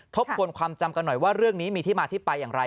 ทบทวนความจำกันหน่อยว่าเรื่องนี้มีที่มาที่ไปอย่างไร